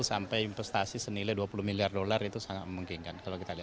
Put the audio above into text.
sampai investasi senilai dua puluh miliar dolar itu sangat memungkinkan